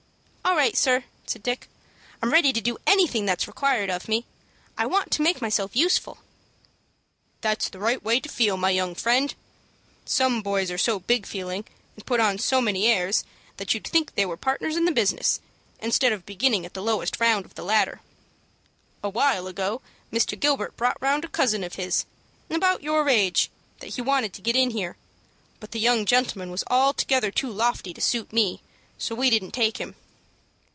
"All right, sir," said Dick. "I'm ready to do anything that is required of me. I want to make myself useful." "That's the right way to feel, my young friend. Some boys are so big feeling and put on so many airs, that you'd think they were partners in the business, instead of beginning at the lowest round of the ladder. A while ago Mr. Gilbert brought round a cousin of his, about your age, that he wanted to get in here; but the young gentleman was altogether too lofty to suit me, so we didn't take him."